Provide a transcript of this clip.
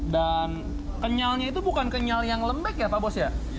dan kenyalnya itu bukan kenyal yang lembek ya